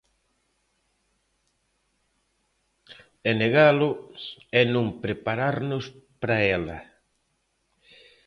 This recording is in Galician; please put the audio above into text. E negalo é non prepararnos para ela.